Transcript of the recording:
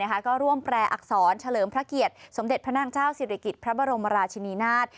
ก็ร่วมแปรอักษรเฉลิมพระเกียรติสมเด็จพระนางเจ้าศิริกิจพระบรมราชินีนาฏ